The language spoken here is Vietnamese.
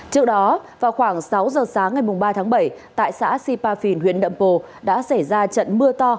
trước đó vào khoảng sáu h sáng ngày ba tháng bảy tại xã sipafin huyện đậm bồ đã xảy ra trận mưa to